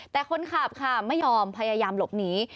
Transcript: แต่คนขับค่ะไม่ยอมพยายามหลบหนี